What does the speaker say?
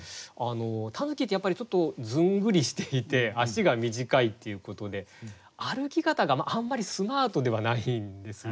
狸ってやっぱりちょっとずんぐりしていて足が短いっていうことで歩き方があんまりスマートではないんですね。